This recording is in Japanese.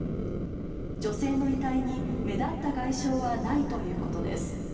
女性の遺体に目立った外傷はないということです。